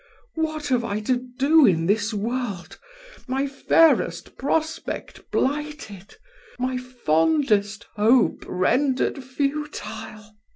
"What have I to do in this world, my fairest prospect blighted, my fondest hope rendered futile?"